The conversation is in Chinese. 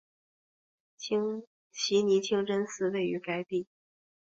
奇尼清真寺位于该地。